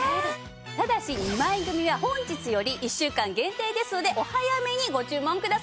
ただし２枚組は本日より１週間限定ですのでお早めにご注文ください。